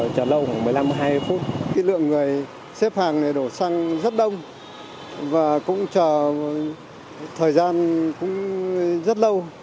các cửa hàng xăng rất đông và cũng chờ thời gian rất lâu